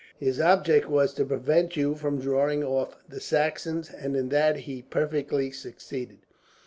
His object was to prevent you from drawing off the Saxons, and in that he perfectly succeeded."